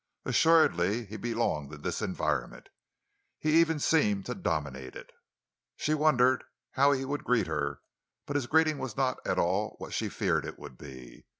Assuredly he belonged in this environment—he even seemed to dominate it. She had wondered how he would greet her; but his greeting was not at all what she had feared it would be.